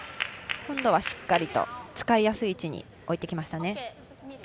今度はしっかりと使いやすい位置に置いてきました。